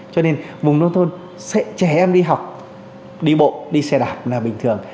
cho nên vùng nông thôn trẻ em đi học đi bộ đi xe đạp là bình thường